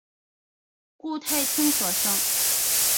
顾太清所生。